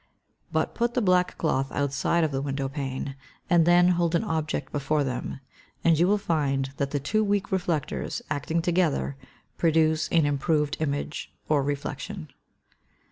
But put the black cloth outside of the window pane, and then hold an object before them, and you will find that the two weak reflectors, acting together, produce an improved image, or reflection.